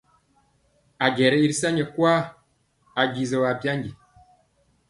Ajɛ yɛ i ri sa nyɛ kwaa, ajisɔ abyandi.